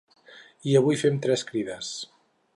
I avui fem tres crides.